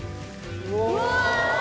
うわ！